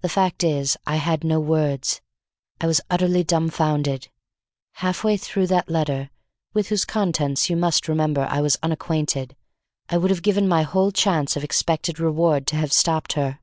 The fact is I had no words; I was utterly dumbfounded. Half way through that letter, with whose contents you must remember I was unacquainted, I would have given my whole chance of expected reward to have stopped her.